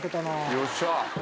よっしゃー。